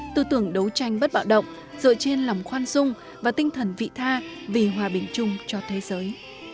tư tưởng đấu tranh bất bạo động dựa trên lòng khoan dung và tinh thần vị tha vì hòa bình chung cho thế giới